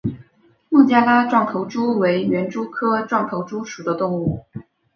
孟加拉壮头蛛为园蛛科壮头蛛属的动物。